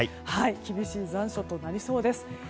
厳しい残暑となりそうです。